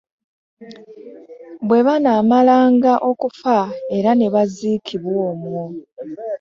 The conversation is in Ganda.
Bwe baamalanga okufa era ne baziikibwa omwo.